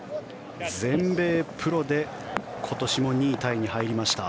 全米オープンで今年も２位タイに入りました。